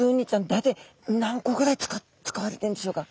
大体何個ぐらい使われてるんでしょうか？